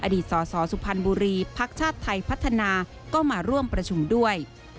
อดีตสสสุพรรณบุรีภักดิ์ชาติไทยพัฒนาก็มาร่วมประชุมด้วย